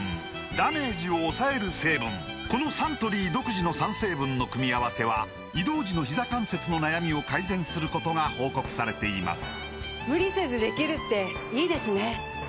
このサントリー独自の３成分の組み合わせは移動時のひざ関節の悩みを改善することが報告されています